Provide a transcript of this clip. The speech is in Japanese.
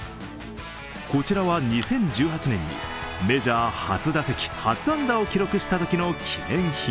こちらは２０１８年にメジャー初打席初安打を記録したときの記念品。